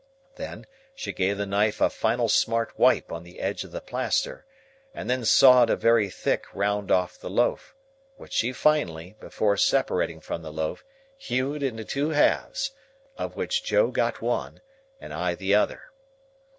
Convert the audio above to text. Then, she gave the knife a final smart wipe on the edge of the plaster, and then sawed a very thick round off the loaf: which she finally, before separating from the loaf, hewed into two halves, of which Joe got one, and I the other.